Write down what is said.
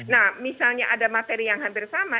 nah misalnya ada materi yang hampir sama